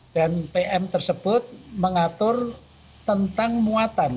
dan pm tersebut mengatur tentang muatan